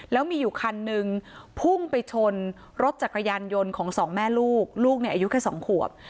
แล้วมีอยู่คันนึงพุ่งไปชนรถจักรยานยนต์ของสองแม่ลูกลูกเนี่ยอายุแค่๒ขวบ